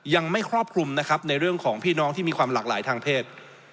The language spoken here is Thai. ยังไม่ครอบคลุมนะครับในเรื่องของพี่น้องที่มีความหลากหลายทางเพศ